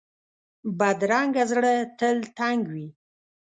بدرنګه زړه تل تنګ وي